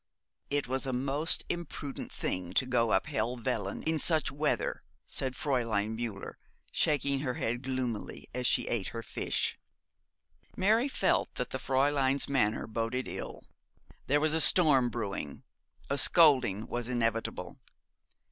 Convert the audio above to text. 'It was a most imprudent thing to go up Helvellyn in such weather,' said Fräulein Müller, shaking her head gloomily as she ate her fish. Mary felt that the Fräulein's manner boded ill. There was a storm brewing. A scolding was inevitable.